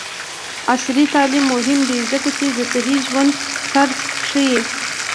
عصري تعلیم مهم دی ځکه چې د صحي ژوند طرز ښيي.